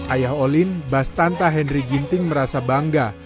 ayah olin bas tanta henry ginting merasa bangga